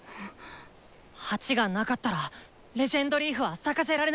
鉢がなかったら「レジェンドリーフ」は咲かせられない！